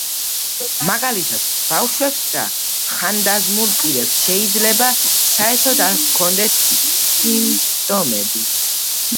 მაგალითად, ბავშვებს და ხანდაზმულ პირებს შეიძლება საერთოდ არ ჰქონდეთ სიმპტომები.